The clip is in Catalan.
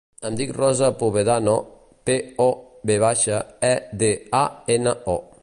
Em dic Rosa Povedano: pe, o, ve baixa, e, de, a, ena, o.